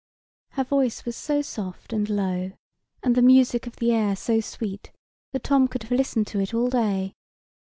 Her voice was so soft and low, and the music of the air so sweet, that Tom could have listened to it all day.